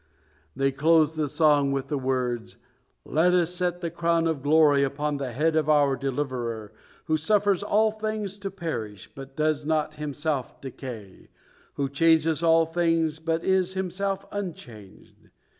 They closed the song with the words: "Let us set the crown of glory upon the head of our Deliverer, who suffers all things to perish, but does not Himself decay, who changes all things, but is Himself unchanged.